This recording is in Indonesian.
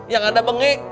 yang ada bengek